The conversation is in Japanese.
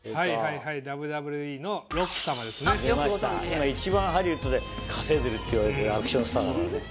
今一番ハリウッドで稼いでるっていわれてるアクションスターだからね。